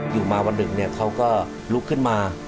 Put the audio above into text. อยู่มาวันหนึ่งเขาก็ลุกขึ้นมา